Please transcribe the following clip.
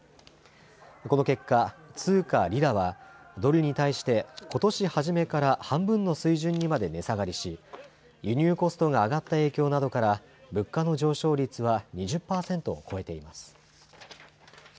この結果、通貨リラはドルに対してことし初めから半分の水準にまで値下がりし、輸入コストが上がった影響などから、物価の上昇率は２０％を超えています。